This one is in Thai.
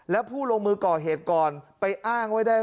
แล้วผู้ลงมือก่อเหตุก่อนไปอ้างไว้ได้